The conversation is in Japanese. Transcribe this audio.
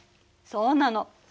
そうなの。